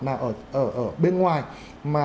nào ở bên ngoài mà